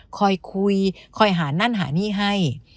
คอยคุยคอยหานั่นหานี่ให้